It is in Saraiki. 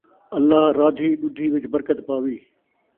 اللہ رادھی ݙُدھّی وچ برکت پاوی